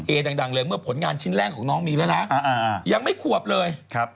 เอกดังเลยผลงานชิ้นแรกของน้องมีแล้วนะยังไม่ขวบเลย